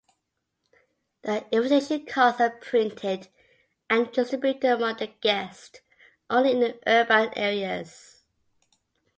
The invitation cards are printed and distributed among the guests only in urban areas.